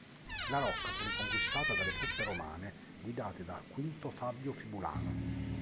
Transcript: La rocca fu riconquistata dalle truppe romane guidate da Quinto Fabio Vibulano.